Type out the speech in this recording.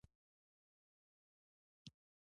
مینه د زړه منطق ده .